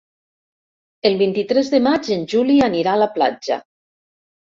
El vint-i-tres de maig en Juli anirà a la platja.